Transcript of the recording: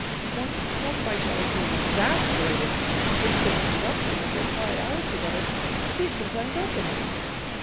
Once, torn by jealousy, and exasperated at the frequent interruptions of their quiet hours together, he had complained openly.